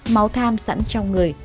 máu tham sẵn trong người